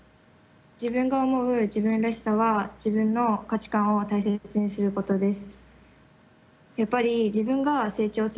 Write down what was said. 自分が思う自分らしさは「自分の価値観を大切にすること」です。